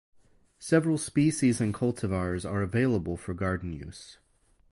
Several species and cultivars are available for garden use.